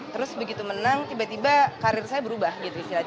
terus begitu menang tiba tiba karir saya berubah gitu istilahnya